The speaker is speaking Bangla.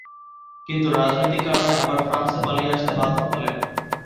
কিন্তু রাজনৈতিক কারণে আবার ফ্রান্সে পালিয়ে আসতে বাধ্য হলেন।